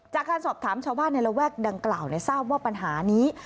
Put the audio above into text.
จากการสอบถามชาวบ้านในระแวกดังกล่าวทราบว่าปัญหานี้